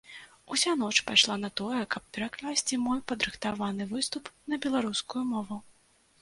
Уся ноч пайшла на тое, каб перакласці мой падрыхтаваны выступ на беларускую мову.